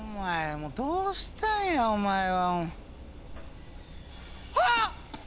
もうどうしたんやお前は。ああっ！